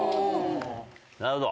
なるほど。